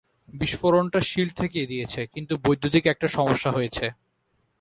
বিস্ফোরণটা shield ঠেকিয়ে দিয়েছে, কিন্তু, বৈদ্যুতিক একটা সমস্যা হয়েছে।